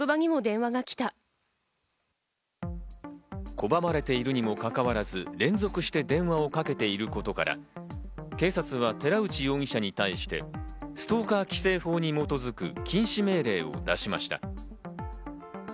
拒まれているにもかかわらず、連続して電話をかけていることから、警察は寺内容疑者に対してストーカー規制法に基づく禁止命令を出しました。